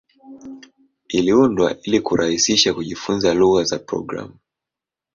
Iliundwa ili kurahisisha kujifunza lugha za programu.